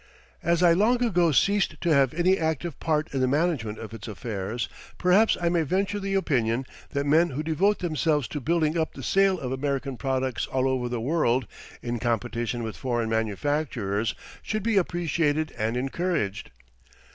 As I long ago ceased to have any active part in the management of its affairs perhaps I may venture the opinion that men who devote themselves to building up the sale of American products all over the world, in competition with foreign manufacturers should be appreciated and encouraged.